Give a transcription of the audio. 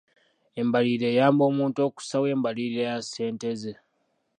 Embalirira eyamba omuntu okussaawo embalirira ya ssente ze.